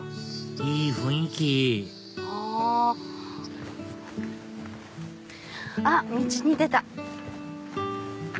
いい雰囲気あっ道に出た。